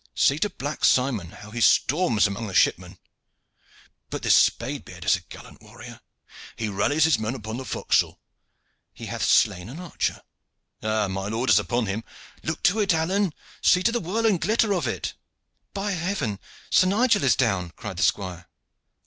See to Black Simon, how he storms among the shipmen! But this Spade beard is a gallant warrior. He rallies his men upon the forecastle. He hath slain an archer. Ha! my lord is upon him. Look to it, Alleyne! See to the whirl and glitter of it!" "By heaven, Sir Nigel is down!" cried the squire.